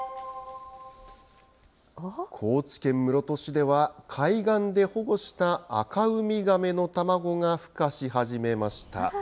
高知県室戸市では、海岸で保護したアカウミガメの卵がふ化し始めました。